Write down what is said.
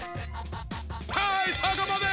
はいそこまで！